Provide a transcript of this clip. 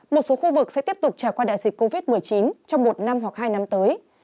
một số khu vực sẽ tiếp tục trải qua đại dịch covid một mươi chín trong một năm hoặc hai năm tới